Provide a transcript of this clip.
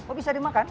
oh bisa dimakan